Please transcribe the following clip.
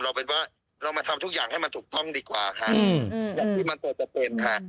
เป็นว่าเรามาทำทุกอย่างให้มันถูกต้องดีกว่าค่ะอย่างที่มันตัวเป็นค่ะ